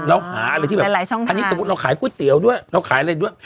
เราหาอะไรที่แบบอันนี้สมมุติเราขายก๋วยเตี๋ยวด้วยเราขายอะไรด้วย